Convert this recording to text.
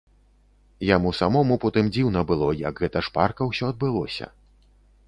Яму самому потым дзіўна было, як гэта шпарка ўсё адбылося.